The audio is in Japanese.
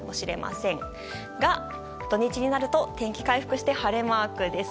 ですが土日になると天気回復して晴れマークです。